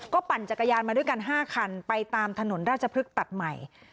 ปั่นจักรยานมาด้วยกัน๕คันไปตามถนนราชพฤกษ์ตัดใหม่